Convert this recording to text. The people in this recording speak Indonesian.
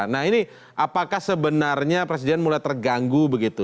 nah ini apakah sebenarnya presiden mulai terganggu begitu